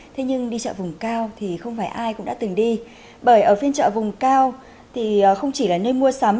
thế nhưng đi chợ vùng cao thì không phải ai cũng đã từng đi bởi ở phiên chợ vùng cao thì không chỉ là nơi mua sắm